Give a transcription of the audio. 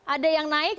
ada yang naik